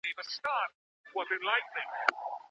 لوستل د انسان د فکر ساحه پراخوي.